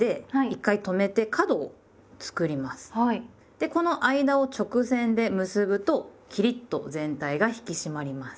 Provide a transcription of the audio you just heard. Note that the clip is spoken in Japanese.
でこの間を直線で結ぶとキリッと全体が引き締まります。